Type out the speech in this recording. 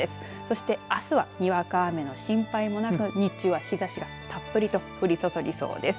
そしてあすは、にわか雨の心配もなく日中は日ざしがたっぷりと降り注ぎそうです。